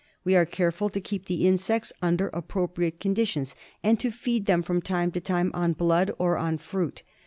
We are careful to keep the insects under appropriate conditions and to feed them from time to time on blood or on fruit.